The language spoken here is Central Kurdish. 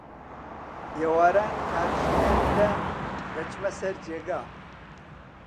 ئێواران، کاتژمێر دە دەچمە سەر جێگا.